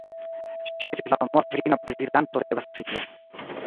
Ŝi estis la unua virina Prezidanto de Brazilo.